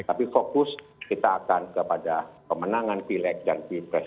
tapi fokus kita akan kepada pemenangan pileg dan pprs